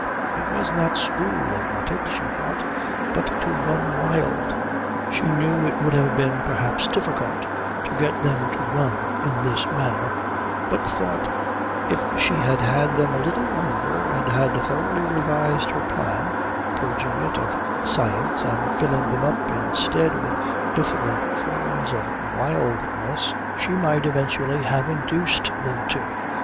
It was not school they wanted, she thought, but to run wild. She knew it would have been perhaps difficult to get them to run in this manner, but thought if she had had them a little longer and had thoroughly revised her plan, purging it of science and filling them up instead with different forms of wildness, she might eventually have induced them to.